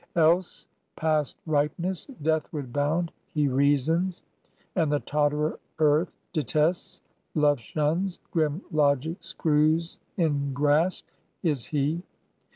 Else, past ripeness, deathward bound, He reasons; and the totterer Earth detests, Love shuns, grim logic screws in grasp, is he.